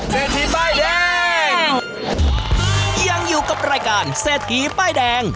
เศรษฐีป้ายแดงยังอยู่กับรายการเศรษฐีป้ายแดง